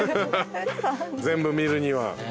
全部見るには。